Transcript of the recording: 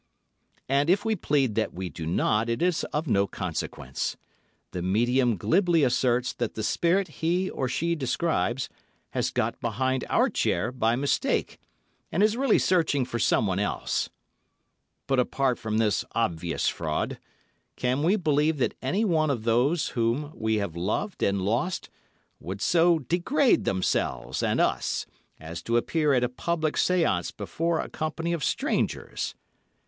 And if we plead that we do not, it is of no consequence—the medium glibly asserts that the spirit he or she describes has got behind our chair by mistake, and is really searching for someone else. But apart from this obvious fraud, can we believe that any one of those whom we have loved and lost would so degrade themselves and us as to appear at a public séance before a company of strangers.